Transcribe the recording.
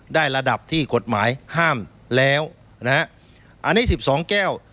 ระดับที่กฎหมายห้ามแล้วนะฮะอันนี้สิบสองแก้ว